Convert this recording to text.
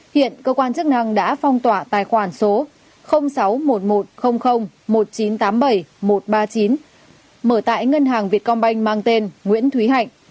hiện cơ quan chức năng đã phong tỏa tài khoản số sáu một một không không một chín tám bảy một ba chín mở tại ngân hàng việt công banh mang tên nguyễn thúy hạnh